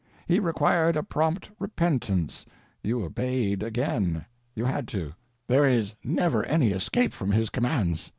He required a prompt repentance; you obeyed again; you_ had _to—there is never any escape from his commands.